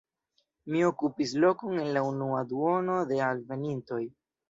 Mi okupis lokon en la unua duono de alvenintoj.